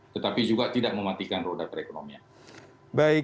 tetapi juga tidak mematikan roda perekonomian